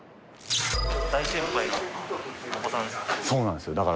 そうなんですよ。